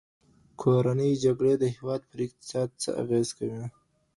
کورنۍ جګړې د هېواد پر اقتصاد څه اغېز کوي؟